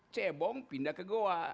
cebong pindah ke goa